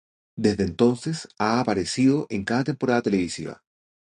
Desde entonces ha aparecido en cada temporada televisiva.